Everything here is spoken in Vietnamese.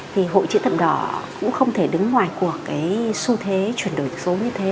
thì hội chữ thập đỏ cũng không thể đứng ngoài cuộc cái xu thế chuyển đổi số như thế